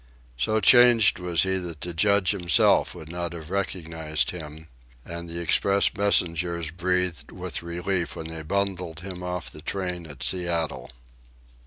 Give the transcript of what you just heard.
So changed was he that the Judge himself would not have recognized him; and the express messengers breathed with relief when they bundled him off the train at Seattle.